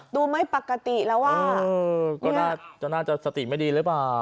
ดูไม่ปกติแล้วอ่ะก็น่าจะน่าจะสติไม่ดีหรือเปล่า